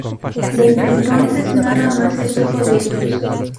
Desde entonces nada más se supo de ellos.